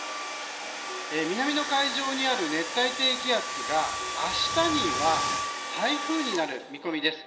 南の海上にある熱帯低気圧が明日には台風になる見込みです。